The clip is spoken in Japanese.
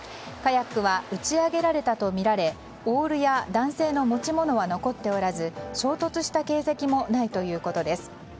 カヤックは打ち上げられたとみられオールや男性の持ち物は残っておらず衝突した形跡もないということです。